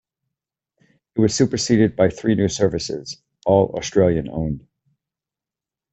It was superseded by three new services, all Australian-owned.